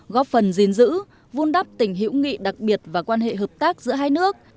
góp phần gìn giữ vun đắp tình hữu nghị đặc biệt và quan hệ hợp tác giữa hai nước